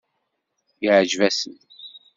Yeɛjeb-asen.